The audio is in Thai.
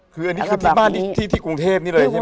คืออันนี้คือที่บ้านที่กรุงเทพนี่เลยใช่ไหม